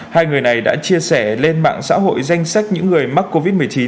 hai người này đã chia sẻ lên mạng xã hội danh sách những người mắc covid một mươi chín